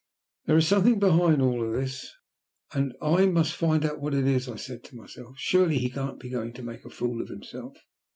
"There is something behind all this, and I must find out what it is," I said to myself. "Surely he can't be going to make a fool of himself."